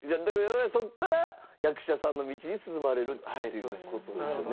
そこから役者さんの道に進まれるっていう事ですよね。